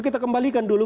kita kembalikan dulu